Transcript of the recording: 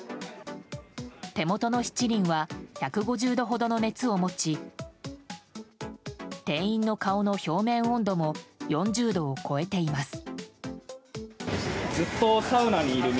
手元の七輪は１５０度ほどの熱を持ち店員の顔の表面温度も４０度を超えています。